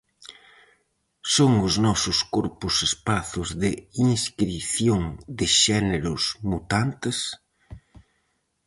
Son os nosos corpos espazos de inscrición de xéneros mutantes?